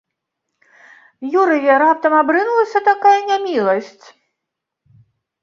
Юрыя раптам абрынулася такая няміласць?